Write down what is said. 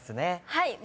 はい。